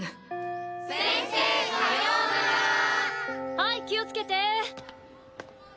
はい気をつけて！